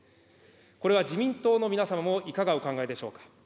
これは自民党の皆様もいかがお考えでしょうか。